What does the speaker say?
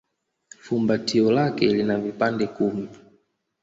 Fumbatio lake lina vipande kumi.